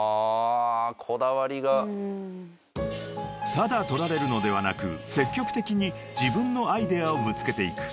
［ただ撮られるのではなく積極的に自分のアイデアをぶつけていく］